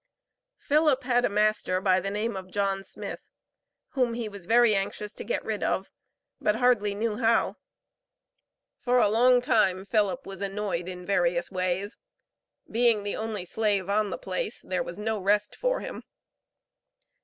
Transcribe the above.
Philip had a master by the name of John Smith, whom he was very anxious to get rid of, but hardly knew how. For a long time, Philip was annoyed in various ways. Being the only slave on the place, there was no rest for him.